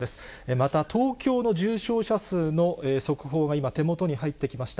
また、東京の重症者数の速報が今、手元に入ってきました。